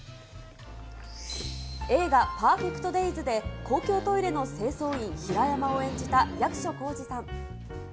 映画、ＰＥＲＦＥＣＴＤＡＹＳで公共トイレの清掃員、平山を演じた役所広司さん。